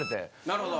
なるほど。